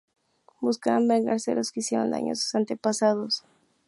Buscaban vengarse de los que hicieron daño a sus antepasados.